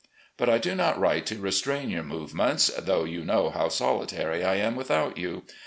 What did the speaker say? But I do not write to restrain your movements, though you know how solitary I am without you.